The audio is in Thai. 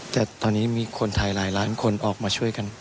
แต่ตอนนี้มีคนไทยหลายล้านคนออกมาช่วยกัน